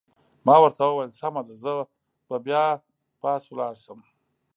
ما ورته وویل: سمه ده، زه به بیا پاس ولاړ شم.